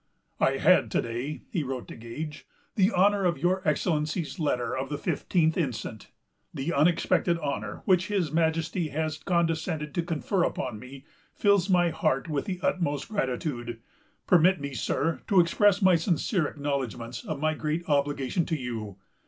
"I had, to day," he wrote to Gage, "the honor of your Excellency's letter of the fifteenth instant. The unexpected honor, which his Majesty has condescended to confer upon me, fills my heart with the utmost gratitude. Permit me, sir, to express my sincere acknowledgments of my great obligation to you....